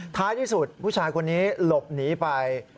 ท้ายที่สุดผู้ชายคนนี้หลบหนีไป